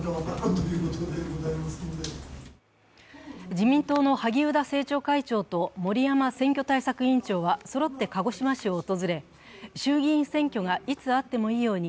自民党の萩生田政調会長と森山選挙対策委員長はそろって鹿児島市を訪れ、衆議院選挙がいつあってもいいように